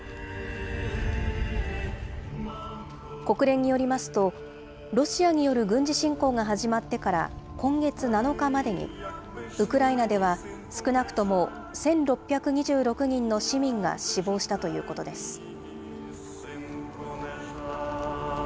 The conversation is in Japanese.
国連によりますと、ロシアによる軍事侵攻が始まってから今月７日までに、ウクライナでは少なくとも１６２６人の市民が死亡したということです。